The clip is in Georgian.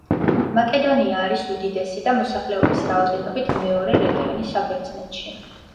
მაკედონია არის უდიდესი და მოსახლეობის რაოდენობით მეორე რეგიონი საბერძნეთში.